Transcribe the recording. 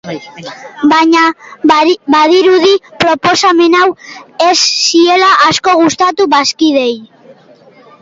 Baina, badirudi proposamen hau ez zaiela asko gustatu bazkideei.